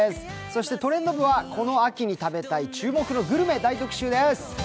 そして「トレンド部」はこの秋に食べたいグルメ大特集です。